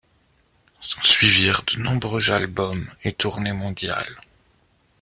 S'ensuivirent de nombreux albums et tournées mondiales.